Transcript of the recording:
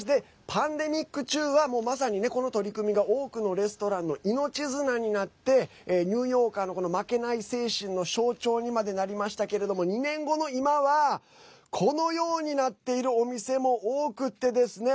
パンデミック中はまさに、この取り組みが多くのレストランの命綱になってニューヨーカーの負けない精神の象徴にまでなりましたけれども２年後の今はこのようになっているお店も多くてですね。